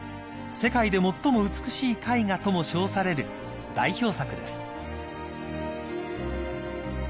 ［世界で最も美しい絵画とも称される代表作です］